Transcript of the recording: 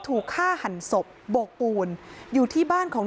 ถูกฆ่าหันศพโบกปูนอยู่ที่บ้านของ